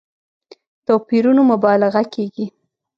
توپيرونو مبالغه کېږي.